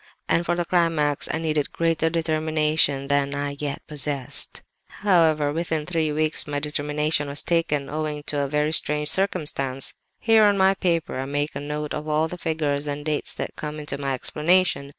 And for the climax I needed greater determination than I yet possessed. "However, within three weeks my determination was taken, owing to a very strange circumstance. "Here on my paper, I make a note of all the figures and dates that come into my explanation.